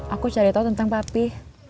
aku cari tahu tentang papi